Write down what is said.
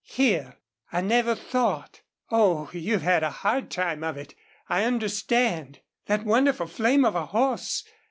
"Here. I never thought. Oh, you've had a hard time of it! I understand. That wonderful flame of a horse!